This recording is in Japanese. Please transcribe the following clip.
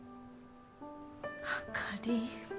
あかり。